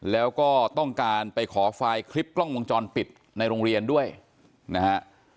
แล้วก็ต้องการไปขอไฟล์คลิปกล้องวงจรปิดในโรงเรียนด้วยนะฮะ